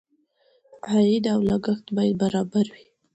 عاید او لګښت باید برابر وي.